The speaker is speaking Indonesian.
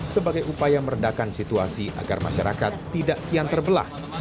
sebagai upaya meredakan situasi agar masyarakat tidak kian terbelah